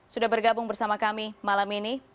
sudah bergabung bersama kami malam ini